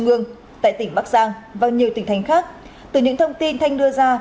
cơ quan cảnh sát điều tra công an tỉnh bắc giang và nhiều tỉnh thành khác từ những thông tin thanh đưa ra